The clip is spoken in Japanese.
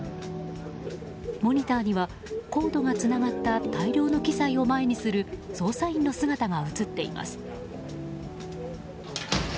モニターにはコードがつながった大量の機材を前にする捜査員の姿が映っています。